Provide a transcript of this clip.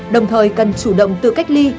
đồng thời cần chủ động tự cách ly